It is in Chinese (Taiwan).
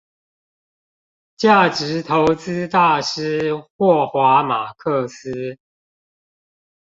價值投資大師霍華馬克斯